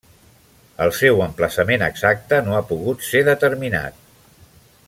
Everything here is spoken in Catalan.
El seu emplaçament exacte no ha pogut ser determinat.